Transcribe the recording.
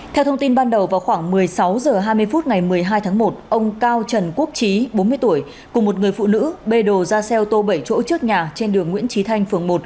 theo thông tin ban đầu vào khoảng một mươi sáu h hai mươi phút ngày một mươi hai tháng một ông cao trần quốc trí bốn mươi tuổi cùng một người phụ nữ bê đồ ra xe ô tô bảy chỗ trước nhà trên đường nguyễn trí thanh phường một